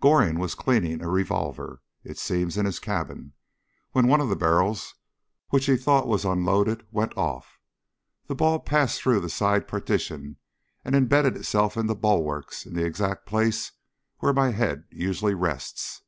Goring was cleaning a revolver, it seems, in his cabin, when one of the barrels which he thought was unloaded went off. The ball passed through the side partition and imbedded itself in the bulwarks in the exact place where my head usually rests.